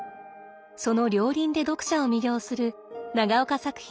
その両輪で読者を魅了する長岡作品。